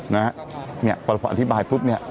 เนี่ยพออธิบายปุ๊บเนี่ย